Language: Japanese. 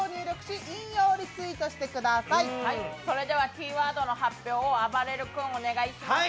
キーワードの発表をあばれる君お願いします。